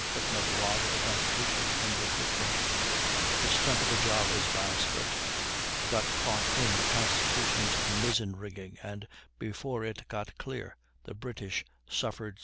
[Footnote: Log of Constitution.] The stump of the Java's bowsprit got caught in the Constitution's mizzen rigging, and before it got clear the British suffered still more.